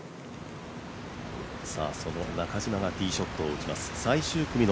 その中島がティーショットを打ちます。